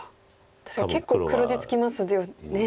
確かに結構黒地つきますよね。